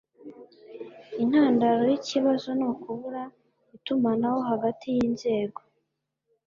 intandaro yikibazo nukubura itumanaho hagati yinzego